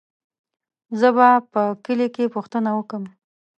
زه به په کلي کې پوښتنه وکم.